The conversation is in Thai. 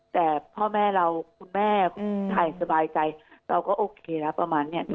แต่พ่อแม่เราคุณแม่ถ่ายสบายใจเราก็โอเคแล้วประมาณนี้